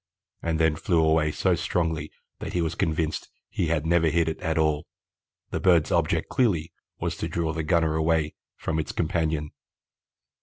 and then flew away so strongly that he was convinced he had never hit it at all. The bird's object clearly was to draw the gunner away from its companion."